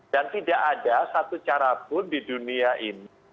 dan tidak ada satu carapun di dunia ini